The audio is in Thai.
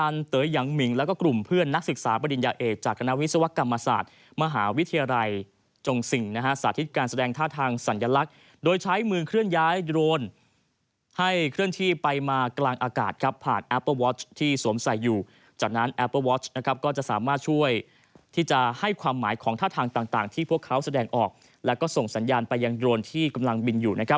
นั่นแหละจนกว่าจะเห็นวิทยาศาสตร์